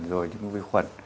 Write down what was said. rồi những cái vi khuẩn